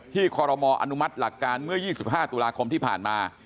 ที่คอรมออนุมัติหลักการเมื่อ๒๕ธุระครมที่ภาคอังกฤษ